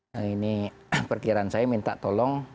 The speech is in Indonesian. nah ini perkiraan saya minta tolong